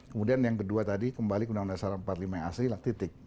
kemudian yang kedua tadi kembali ke undang undang dasar empat puluh lima yang asli titik